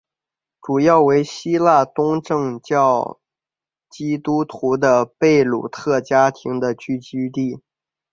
主要为希腊东正教基督徒的贝鲁特家庭的聚居地。